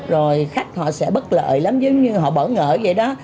rồi khách họ sẽ bất lợi lắm giống như họ bỡ ngỡ vậy đó